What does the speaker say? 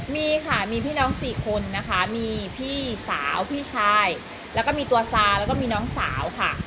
มีค่ะมีพี่น้อง๔คนนะคะมีพี่สาวพี่ชายแล้วก็มีตัวซาแล้วก็มีน้องสาวค่ะ